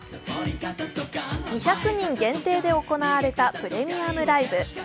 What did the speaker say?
２００人限定で行われたプレミアムライブ。